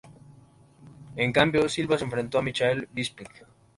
En cambio, Silva se enfrentó a Michael Bisping.